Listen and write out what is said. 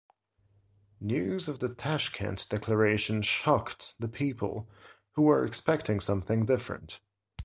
News of the Tashkent Declaration shocked the people who were expecting something different.